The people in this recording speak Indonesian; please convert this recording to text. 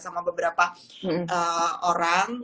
sama beberapa orang